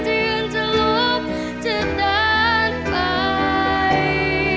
ที่ยืนจะลุกจะเดินไป